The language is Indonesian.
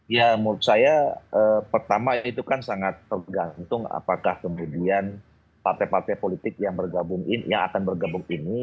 ya menurut saya pertama itu kan sangat tergantung apakah kemudian partai partai politik yang bergabung yang akan bergabung ini